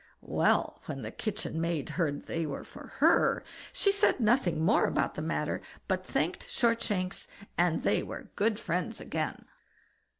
Well! when the kitchen maid heard they were for her, she said nothing more about the matter, but thanked Shortshanks, and they were good friends again.